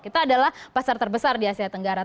kita adalah pasar terbesar di asia tenggara